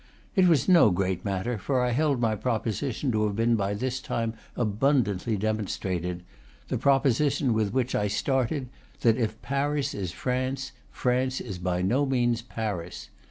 It was no great matter, for I held my proposition to have been by this time abundantly demonstrated, the proposition with which I started: that if Paris is France, France is by no means Paris.